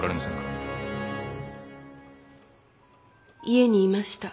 家にいました。